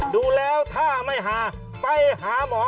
ดูแล้วถ้าไม่หาไปหาหมอ